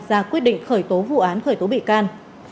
ra quyết định khởi tố vụ án khởi tố bị can